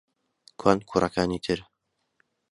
کوان کوڕەکانی تر؟